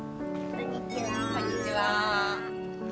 こんにちは。